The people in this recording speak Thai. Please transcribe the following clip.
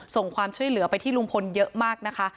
ความช่วยเหลือไปที่ลุงพลเยอะมากนะคะ